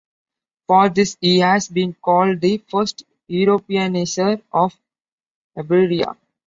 For this he has been called the first Europeaniser of Iberia.